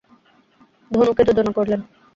ধনুকে যোজনা করলেন।